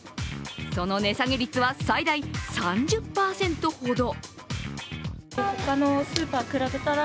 その値下げ率は最大３０％ほど。